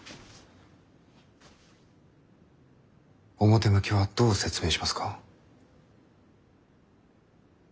表向きはどう説明しますか？